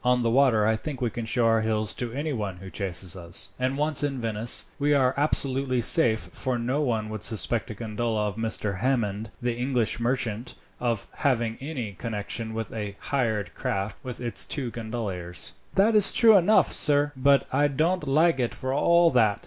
On the water I think we can show our heels to anyone who chases us; and once in Venice, we are absolutely safe, for no one would suspect a gondola of Mr. Hammond, the English merchant, of having any connection with a hired craft with its two gondoliers." "That is true enough, sir; but I don't like it for all that.